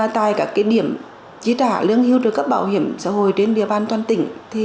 tại các điểm chi trả lương hưu trợ cấp bảo hiểm xã hội trên địa bàn toàn tỉnh